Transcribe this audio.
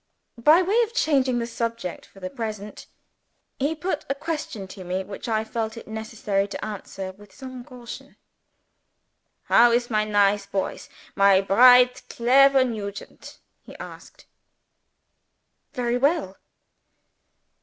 By way of changing the subject for the present, he put a question to me which I felt it necessary to answer with some caution. "How is my nice boys? my bright clever Nugent?" he asked. "Very well."